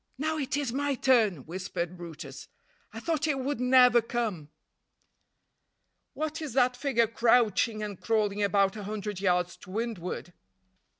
"Now it is my turn," whispered brutus. "I thought it would never come." What is that figure crouching and crawling about a hundred yards to windward?